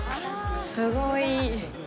すごい。